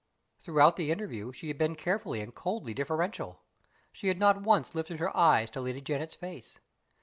Throughout the interview she had been carefully and coldly deferential; she had not once lifted her eyes to Lady Janet's face.